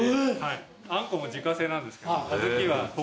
あんこも自家製なんですけど小豆は北海道から。